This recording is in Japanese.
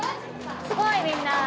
すごいみんな！